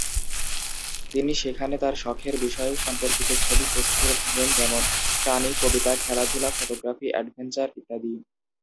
তিনি সেখানে তাঁর শখের বিষয় সম্পর্কিত ছবি পোস্ট করে থাকেন, যেমনঃ প্রাণী, কবিতা, খেলাধুলা, ফটোগ্রাফি, অ্যাডভেঞ্চার ইত্যাদি।